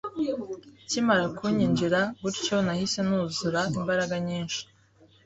ikimara kunyinjira gutyonahise nuzura imbaraga nyinshi